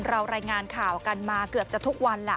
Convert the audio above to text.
รายงานข่าวกันมาเกือบจะทุกวันแหละ